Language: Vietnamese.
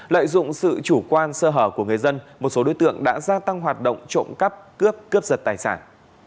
lợi dụng sự chủ quan sơ hở của người dân một số đối tượng đã gia tăng hoạt động trộm cắp cướp cướp giật tài sản